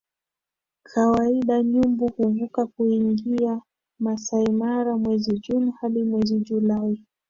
Kawaida nyumbu huvuka kuingia Maasai Mara mwezi Juni hadi mwezi Julai